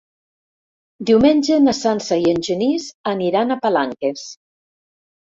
Diumenge na Sança i en Genís aniran a Palanques.